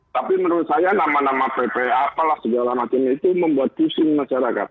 tapi menurut saya nama nama pp apalah segala macam itu membuat pusing masyarakat